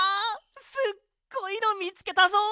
すっごいのみつけたぞ！